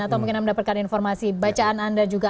atau mungkin anda mendapatkan informasi bacaan anda juga